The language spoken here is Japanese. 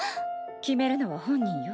決めるのは本人よ。